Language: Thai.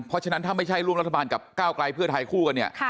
เพราะฉะนั้นถ้าไม่ใช่ร่วมรัฐบาลกับก้าวไกลเพื่อไทยคู่กันเนี่ย